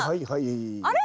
あれ？